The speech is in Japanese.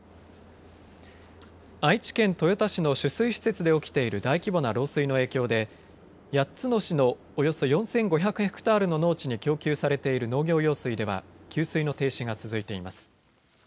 愛知県豊田市の取水施設で起きている大規模な漏水の影響で８つの市のおよそ４５００ヘクタールの農地に供給されている農業用水では給水の停止が続いています。